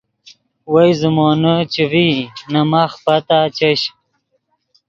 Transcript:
وئے زیمونے چے ڤئی نے ماخ پتا چش